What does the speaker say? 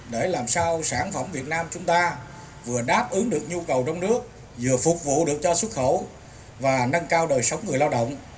để làm sao sản phẩm việt nam chúng ta vừa đáp ứng được nhu cầu trong nước vừa phục vụ được cho xuất khẩu và nâng cao đời sống người lao động